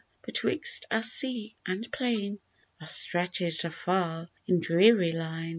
betwixt us sea and plain Are stretch' d afar in dreary line.